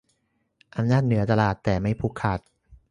อำนาจเหนือตลาดแต่ไม่ผูกขาด